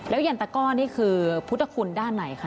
แล้วยันตะก้อนี่คือพุทธคุณด้านไหนคะ